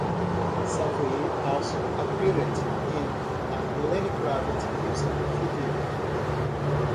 Salvail also appeared in a Lenny Kravitz music video.